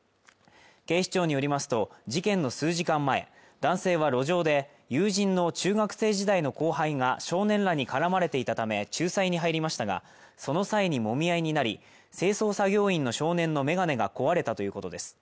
警視庁によりますと事件の数時間前男性は路上で友人の中学生時代の後輩が少年らに絡まれていたため仲裁に入りましたがその際にもみ合いになり清掃作業員の少年の眼鏡が壊れたということです